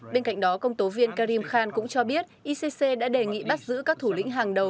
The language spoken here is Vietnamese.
bên cạnh đó công tố viên karim khan cũng cho biết icc đã đề nghị bắt giữ các thủ lĩnh hàng đầu